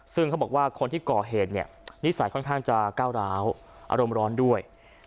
ซึ่งเขาบอกว่าคนที่ก่อเหตุเนี่ยนิสัยค่อนข้างจะก้าวร้าวอารมณ์ร้อนด้วย